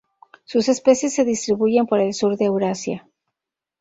Sus especies se distribuyen por el sur de Eurasia.